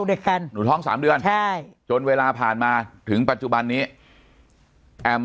เด็กแทนหนูท้อง๓เดือนใช่จนเวลาผ่านมาถึงปัจจุบันนี้แอม